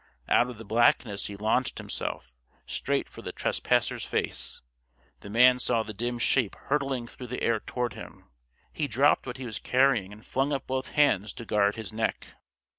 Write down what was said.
Out of the blackness he launched himself, straight for the trespasser's face. The man saw the dim shape hurtling through the air toward him. He dropped what he was carrying and flung up both hands to guard his neck.